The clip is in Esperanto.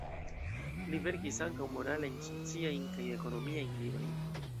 Li verkis ankaŭ moralajn, sociajn kaj ekonomiajn librojn.